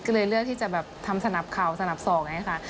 ก็เลยเลือกที่จะแบบทำสนับเข่าสนับสองไงค่ะ